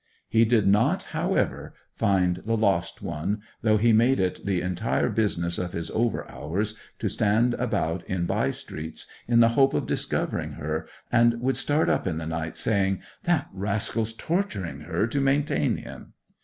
He did not, however, find the lost one, though he made it the entire business of his over hours to stand about in by streets in the hope of discovering her, and would start up in the night, saying, 'That rascal's torturing her to maintain him!